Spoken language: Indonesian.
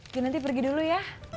yuk nanti pergi dulu ya